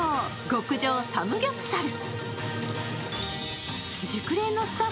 極上サムギョプサル。